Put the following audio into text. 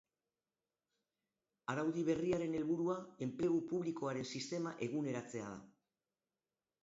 Araudi berriaren helburua enplegu publikoaren sistema eguneratzea da.